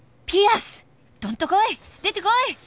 どんとこい！